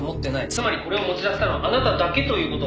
「つまりこれを持ち出したのはあなただけという事になります」